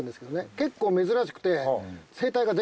結構珍しくて。